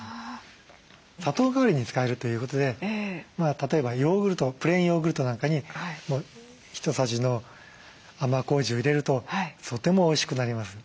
砂糖代わりに使えるということで例えばプレーンヨーグルトなんかに１さじの甘こうじを入れるととてもおいしくなります。